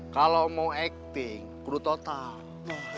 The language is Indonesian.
kalau mau acting kru total